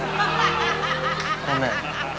◆ごめん。